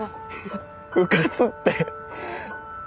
うかつって。